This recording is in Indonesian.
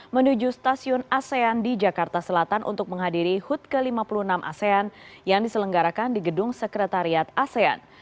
menuju stasiun asean di jakarta selatan untuk menghadiri hut ke lima puluh enam asean yang diselenggarakan di gedung sekretariat asean